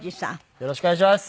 よろしくお願いします。